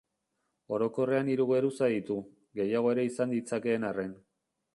Orokorrean hiru geruza ditu, gehiago ere izan ditzakeen arren.